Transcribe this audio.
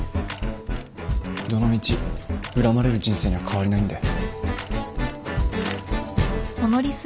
どのみち恨まれる人生には変わりないんで。